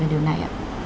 về điều này ạ